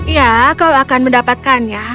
ya kamu akan mendapatkannya